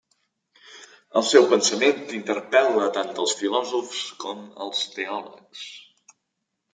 El seu pensament interpel·la tant als filòsofs com als teòlegs.